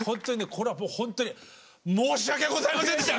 これはもうほんとに申し訳ございませんでした。